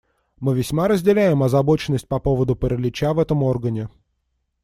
Мы весьма разделяем озабоченность по поводу паралича в этом органе.